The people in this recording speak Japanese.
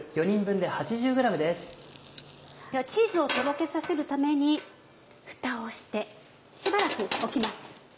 ではチーズをとろけさせるためにフタをしてしばらく置きます。